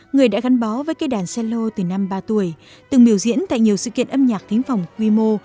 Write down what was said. người đã gắn bó với cây đàn cello từ năm ba tuổi từng biểu diễn tại nhiều sự kiện âm nhạc tính phòng quy mô